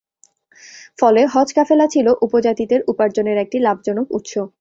ফলে হজ কাফেলা ছিল উপজাতিদের উপার্জনের একটি লাভজনক উৎস।